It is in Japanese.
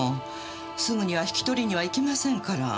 すぐには引き取りには行きませんから。